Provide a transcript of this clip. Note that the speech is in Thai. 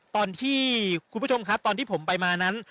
คุณผู้ชมครับตอนที่ผมไปมานั้น